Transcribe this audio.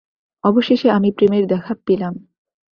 অবশেষে আমি প্রেমের দেখা পেলাম।